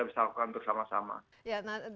sesuatu yang kita bisa lakukan bersama sama